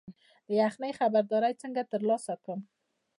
د یخنۍ خبرداری څنګه ترلاسه کړم؟